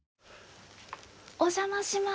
お邪魔します。